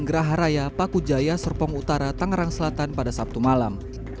geraha raya paku jaya serpong utara tangerang selatan pada sabtu malam